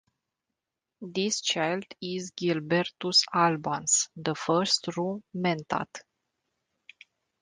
This child is Gilbertus Albans, the first true Mentat.